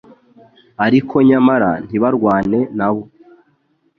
ariko nyamara ntibarwane nabo